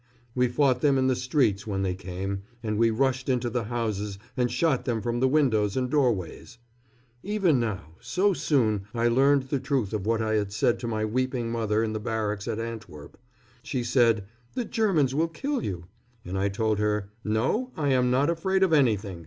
We fought them in the streets when they came, and we rushed into the houses and shot them from the windows and doorways. Even now, so soon, I learned the truth of what I had said to my weeping mother in the barracks at Antwerp. She said, "The Germans will kill you!" and I told her, "No. I am not afraid of anything.